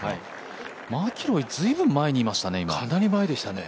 マキロイ随分前にいましたね。